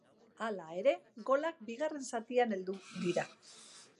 Hala ere, golak bigarren zatian heldu dira.